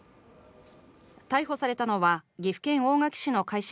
逮捕されたのは岐阜県大垣市の会社